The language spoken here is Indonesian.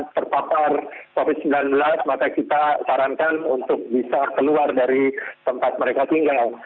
karena terpapar covid sembilan belas maka kita sarankan untuk bisa keluar dari tempat mereka tinggal